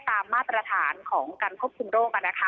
ตามมาตรฐานของการควบคุมโรคกันนะคะ